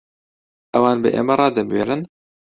ئەوان بە ئێمە ڕادەبوێرن؟